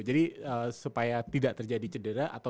jadi supaya tidak terjadi cedera